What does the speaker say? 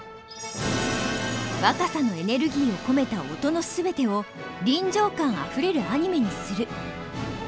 若さのエネルギーを込めた音のすべてを臨場感あふれるアニメにする。